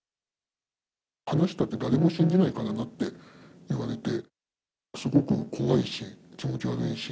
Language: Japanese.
話したって誰も信じないからなって言われて、すごく怖いし、気持ち悪いし。